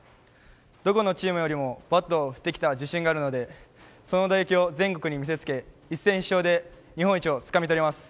どこのチームよりも、バットを振ってきた自信があるのでその打撃を全国に見せつけ一戦必勝で日本一をつかみ取ります。